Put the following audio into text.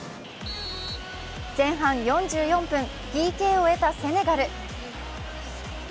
前半４４分、ＰＫを得たセネガル。